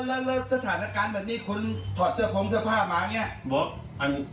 แล้วสถานการณ์แบบนี้คนถอดเสื้อโพงเสื้อผ้ามาอย่างนี้